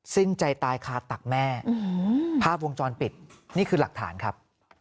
สิ้นใจตายคาตักแม่ภาพวงจรปิดนี่คือหลักฐานครับ